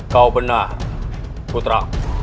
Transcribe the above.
kau benar putra